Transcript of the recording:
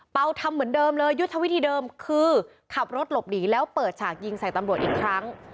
ทำเหมือนเดิมเลยยุทธวิธีเดิมคือขับรถหลบหนีแล้วเปิดฉากยิงใส่ตำรวจอีกครั้ง